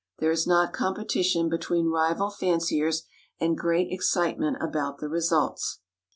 There is not competition between rival fanciers and great excitement about the results.